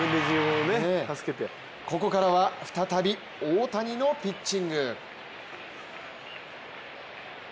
ここからは再び大谷のピッチング。